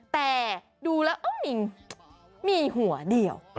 แต่ดูแล้วมีหัวเดียว